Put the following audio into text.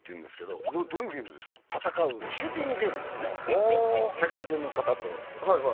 戦うシューティングゲームですねああ世界中の方とはいはい